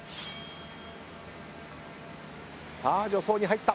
さあ助走に入った。